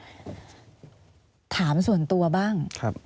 อ่าอ่าถามส่วนตัวบ้าง